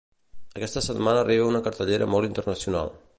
Aquesta setmana arriba una cartellera molt internacional.